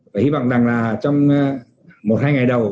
và hy vọng rằng là trong một hai ngày đầu